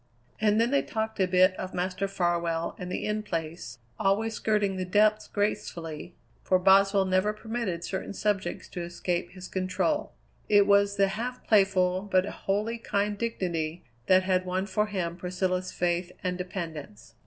And then they talked a bit of Master Farwell and the In Place, always skirting the depths gracefully, for Boswell never permitted certain subjects to escape his control. It was the half playful, but wholly kind dignity that had won for him Priscilla's faith and dependence.